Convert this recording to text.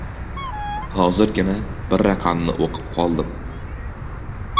Hozirgina bir raqamni oʻqib qoldim.